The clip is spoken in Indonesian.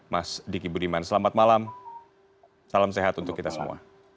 mas diki budiman selamat malam salam sehat untuk kita semua